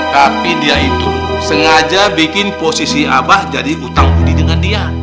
tapi dia itu sengaja bikin posisi abah jadi utang budi dengan dia